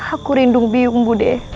aku rindu biung bude